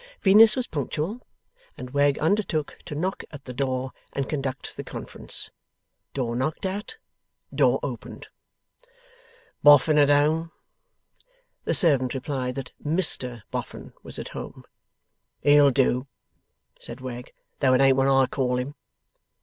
Venus was punctual, and Wegg undertook to knock at the door, and conduct the conference. Door knocked at. Door opened. 'Boffin at home?' The servant replied that MR Boffin was at home. 'He'll do,' said Wegg, 'though it ain't what I call him.